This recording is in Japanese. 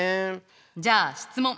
じゃあ質問！